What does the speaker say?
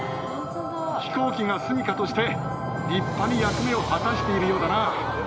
飛行機がすみかとして立派に役目を果たしているようだな。